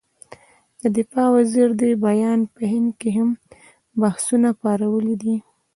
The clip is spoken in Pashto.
د دفاع وزیر دې بیان په هند کې هم بحثونه پارولي دي.